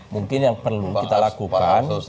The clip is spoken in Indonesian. mungkin yang perlu kita lakukan